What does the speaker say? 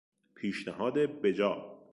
پیشنهاد بجا